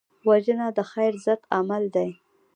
وژنه د خیر ضد عمل دی